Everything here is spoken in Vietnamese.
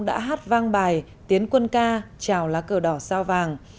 đã hát vang bài tiến quân ca trào lá cờ đỏ sao vàng